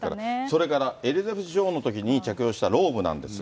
それからエリザベス女王が着用したローブなんですが。